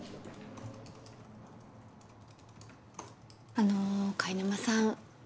あの貝沼さん。